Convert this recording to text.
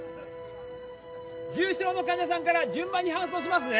重傷の患者さんから順番に搬送しますね